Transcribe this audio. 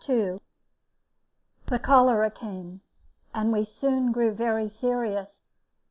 The cholera came, and we soon grew very serious.